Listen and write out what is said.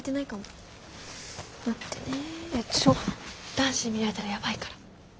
男子に見られたらやばいから。